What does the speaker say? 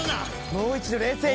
もう一度冷静に。